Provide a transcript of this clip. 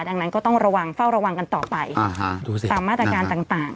ดังนั้นก็ต้องระวังฝ่าวระวังกันต่อป่ะกับมาตรการต่าง